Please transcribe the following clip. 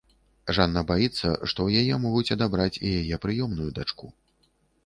Жанна баіцца, што ў яе могуць адабраць і яе прыёмную дачку.